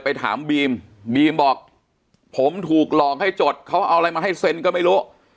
ไปถามบีมบีมบอกผมถูกหลอกให้จดเขาเอาอะไรมาให้เซ็นก็ไม่รู้